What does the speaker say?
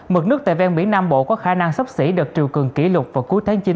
mực nước tại ven biển nam bộ có khả năng sấp xỉ đợt triều cường kỷ lục vào cuối tháng chín